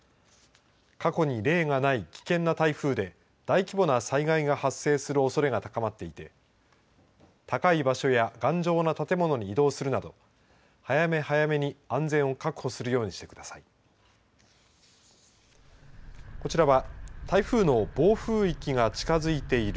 過去に例がない危険な台風で大規模な災害が発生するおそれが高まっていて高い場所や頑丈な建物に移動するなど早め早めに安全を確保するようにしてください。